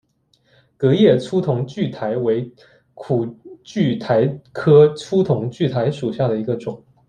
革叶粗筒苣苔为苦苣苔科粗筒苣苔属下的一个种。